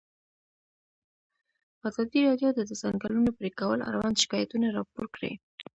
ازادي راډیو د د ځنګلونو پرېکول اړوند شکایتونه راپور کړي.